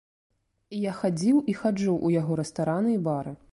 Я хадзіў і хаджу ў яго рэстараны і бары.